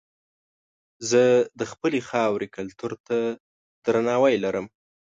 زه د خپلې خاورې کلتور ته درناوی لرم.